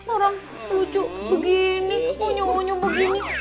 orang lucu begini unyu unyu begini